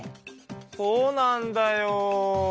そうなんだよ。